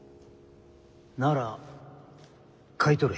なら買い取れ。